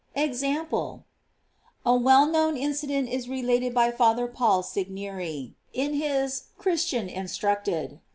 EXAMPLE. A well known incident is related by Father Paul Segneri in his "Christian Instructed.''